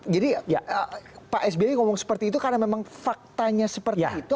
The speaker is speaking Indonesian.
pak sby ngomong seperti itu karena memang faktanya seperti itu